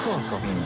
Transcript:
うん。